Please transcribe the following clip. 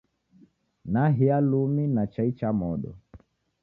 Nahia lumi na chai cha modo